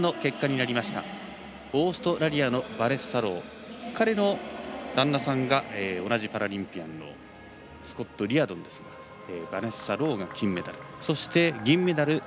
オーストラリアのバネッサ・ロー彼女の旦那さんが同じパラリンピアンのスコット・リアドンですがバネッサ・ローが金メダル。